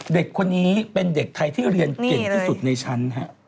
เด็กคนนี้เป็นเด็กไทยที่เรียนเก่งที่สุดในชั้น